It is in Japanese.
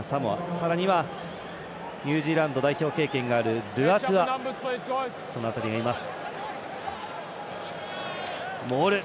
さらにニュージーランド代表経験があるルアトゥア、その辺りがいます。